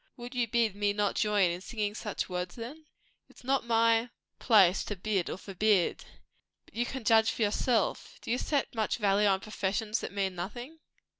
"Would you bid me not join in singing such words, then?" "It's not my place to bid or forbid. But you can judge for yourself. Do you set much valley on professions that mean nothing?"